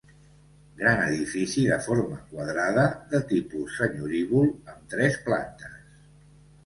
Gran edifici de forma quadrada, de tipus senyorívol, amb tres plantes.